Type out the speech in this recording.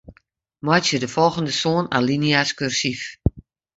Meitsje de folgjende sân alinea's kursyf.